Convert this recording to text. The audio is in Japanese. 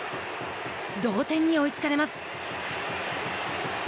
同点に追いつかれます。